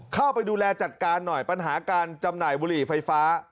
เข้าไปดูแลจัดการหน่อยปัญหาการจำหน่ายบุหรี่ไฟฟ้า